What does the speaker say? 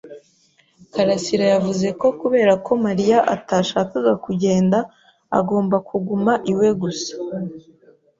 karasira yavuze ko kubera ko Mariya atashakaga kugenda, agomba kuguma iwe gusa.